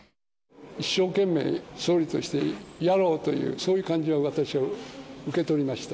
一生懸命総理としてやろうという、そういう感じは私は受けておりました。